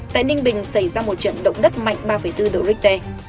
tại ninh bình xảy ra một trận động đất mạnh ba bốn độ richter